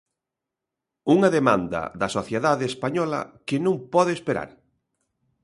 Unha demanda da sociedade española que non pode esperar.